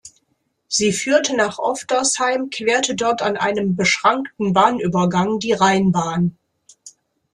Sie führte nach Oftersheim, querte dort an einem beschrankten Bahnübergang die Rheinbahn.